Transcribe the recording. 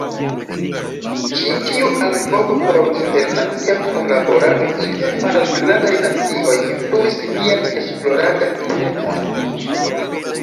Ĉi tiu alvoko por internacia kunlaborado inter malgrandaj nacioj influis mian esploradan temon.